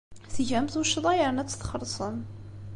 Tgam tuccḍa yerna ad tt-txellṣem.